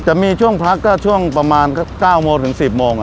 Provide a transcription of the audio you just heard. จะมีช่วงพักก็ช่วงประมาณ๙๑๐โมง